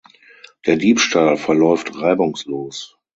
Der Diebstahl verläuft reibungslos.